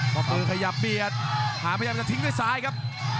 พอเปิดขยับเบียดหาพยายามจะทิ้งด้วยซ้ายครับ